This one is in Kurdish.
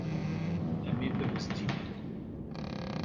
Em ê bibizdînin.